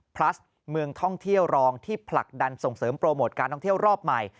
พลัสเมืองท่องเที่ยวรองที่ผลักดันส่งเสริมโปรโมทการท่องเที่ยวรอบใหม่